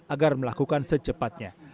agar melakukan secepatnya